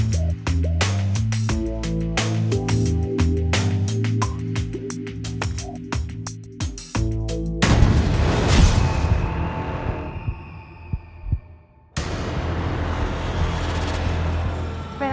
ชื่อฟอยแต่ไม่ใช่แฟง